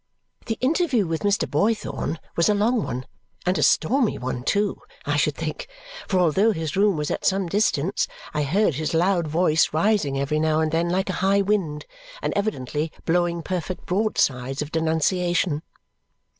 The interview with Mr. Boythorn was a long one, and a stormy one too, I should think, for although his room was at some distance I heard his loud voice rising every now and then like a high wind, and evidently blowing perfect broadsides of denunciation.